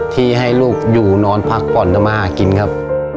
ที่ให้ลูกอยู่นอนพักผ่อนทำมาหากินครับ